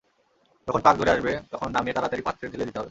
যখন পাক ধরে আসবে তখন নামিয়ে তাড়াতাড়ি পাত্রে ঢেলে দিতে হবে।